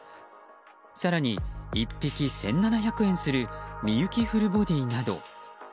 更に１匹１７００円もする幹之フルボディなど。